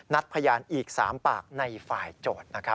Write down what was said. นัดพยานอีก๓ปากในฝ่ายโจทย์นะครับ